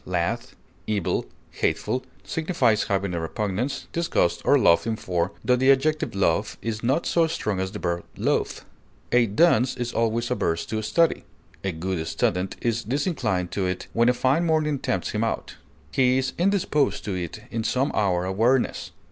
lath, evil, hateful) signifies having a repugnance, disgust, or loathing for, tho the adjective loath is not so strong as the verb loathe. A dunce is always averse to study; a good student is disinclined to it when a fine morning tempts him out; he is indisposed to it in some hour of weariness.